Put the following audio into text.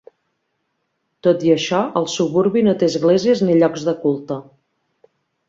Tot i això, el suburbi no té esglésies ni llocs de culte.